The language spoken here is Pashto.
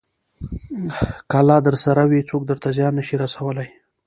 که الله درسره وي، څوک درته زیان نه شي رسولی.